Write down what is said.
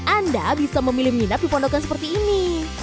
anda bisa memilih minat dipondokan seperti ini